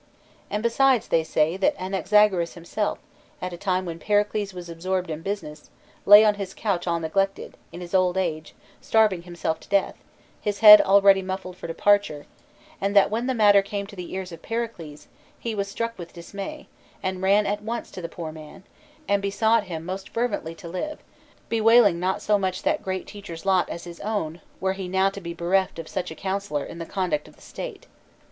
And, besides, they say that Anaxa goras himself, at a time when Pericles was absorbed in business, lay on his couch all neglected, in his old age, starving himself to death, his head already muffled for departure, and that when the matter came to the ears of Pericles, he was struck with dismay, and ran at once to the poor man, and be sought him most fervently to live, bewailing not so much that great teacher's lot as his own, were he now to be bereft of such a counsellor in the conduct of the state.